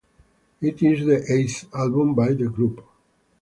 It is the eighth album by the group.